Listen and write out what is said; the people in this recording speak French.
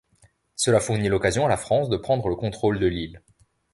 Cela fournit l'occasion à la France de prendre le contrôle de l'île.